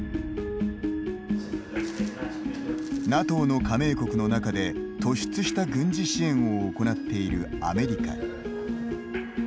ＮＡＴＯの加盟国の中で突出した軍事支援を行っているアメリカ。